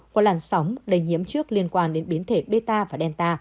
của làn sóng đầy nhiễm trước liên quan đến biến thể beta và delta